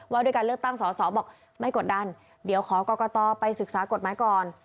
ว่าด้วยการเลือกตั้งสอสอบอกไม่กดดันเดี๋ยวขอกรกตไปศึกษากฎหมายก่อน